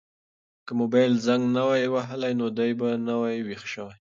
که موبایل زنګ نه وای وهلی نو دی به نه وای ویښ شوی.